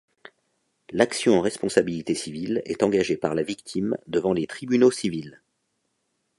L'action en responsabilité civile est engagée par la victime devant les tribunaux civils.